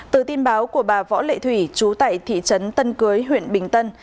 từ tin báo của bà võ lệ thủy chú tại thị trấn tân cưới huyện bình tân